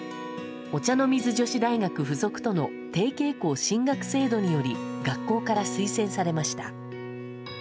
お茶の水女子大学附属との提携校進学制度により学校から推薦されました。